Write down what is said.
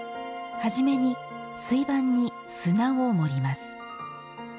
はじめに水盤に砂を盛ります。